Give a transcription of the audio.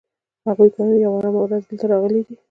هغوی پرون یا وړمه ورځ دلته راغلي دي.